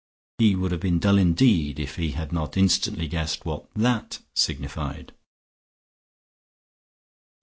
He would have been dull indeed if he had not instantly guessed what that signified.